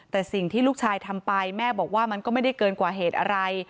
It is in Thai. แต่สิ่งที่ลูกชายทำไปแม่บอกว่ามันก็ไม่ได้เกินกว่าเหตุอะไร